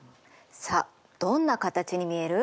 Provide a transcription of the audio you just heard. さあどんな形に見える？